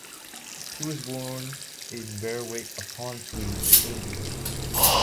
He was born in Berwick-upon-Tweed, England.